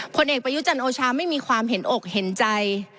ผลเอกประยุจันทร์โอชาไม่มีความเห็นอกเห็นใจ